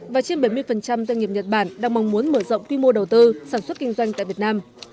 và trên bảy mươi doanh nghiệp nhật bản đang mong muốn mở rộng quy mô đầu tư sản xuất kinh doanh tại việt nam